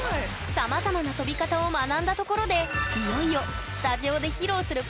さまざまな跳び方を学んだところでいよいよスタジオで俺この間ねお。